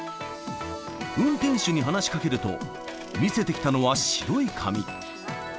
運転手に話しかけると、見せてきたのは白い紙。